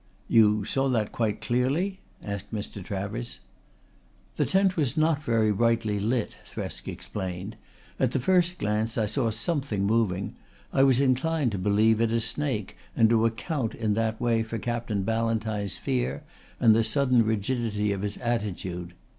"You saw that quite clearly?" asked Mr. Travers. "The tent was not very brightly lit," Thresk explained. "At the first glance I saw something moving. I was inclined to believe it a snake and to account in that way for Captain Ballantyne's fear and the sudden rigidity of his attitude.